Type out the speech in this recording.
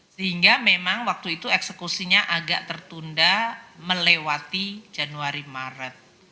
sehingga memang waktu itu eksekusinya agak tertunda melewati januari maret